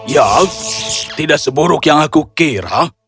ya tidak seburuk yang aku kira